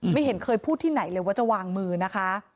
ไม่เห็นเคยพูดที่ไหนเลยว่าจะวางมือนะคะ